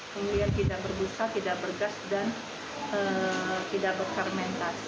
kemudian tidak berbusa tidak bergas dan tidak berfermentasi